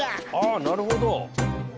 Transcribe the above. あなるほど。